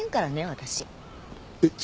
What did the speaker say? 私。